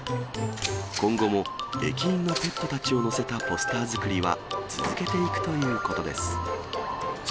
今後も駅員のペットたちを載せたポスター作りは、続けていくということです。